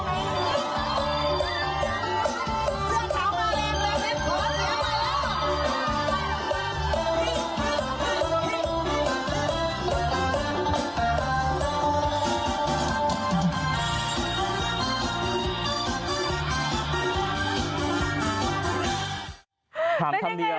เสื้อเท้ามาเร็วหัวเสื้อมาแล้ว